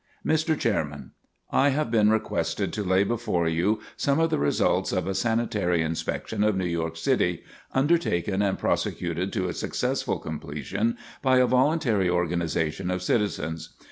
Mr. Chairman: I have been requested to lay before you some of the results of a sanitary inspection of New York City, undertaken and prosecuted to a successful completion by a voluntary organization of citizens.